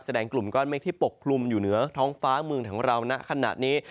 กลุ่มก้อนเมฆที่ปกคลุมอยู่เหนือท้องฟ้าเมืองของเราณขณะนี้